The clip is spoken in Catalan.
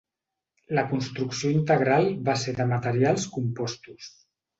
La construcció integral va ser de materials compostos.